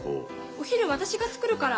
お昼私が作るから。